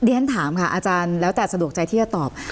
ฉันถามค่ะอาจารย์แล้วแต่สะดวกใจที่จะตอบ